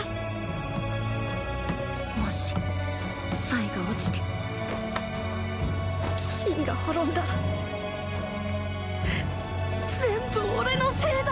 もしが落ちて秦が滅んだら全部オレのせいだ